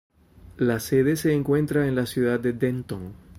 La sede se encuentra en la ciudad de Denton.